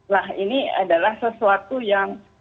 nah ini adalah sesuatu yang